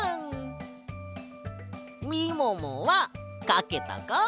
みももはかけたか？